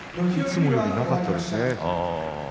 いつもよりなかったですね。